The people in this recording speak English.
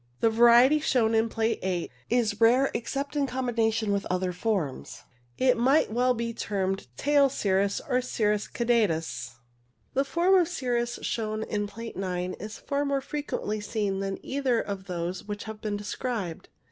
The variety shown in Plate 8 is rare except in combination with other forms. It might well be termed tailed cirrus or cirrus caudatus. The form of cirrus shown in Plate 9 is far more frequently seen than either of those which have been described.